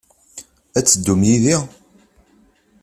Ad teddum yid-i?